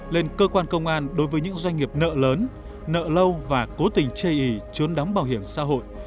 lên cơ quan công an đối với những doanh nghiệp nợ lớn nợ lâu và cố tình chây ý trốn đóng bảo hiểm xã hội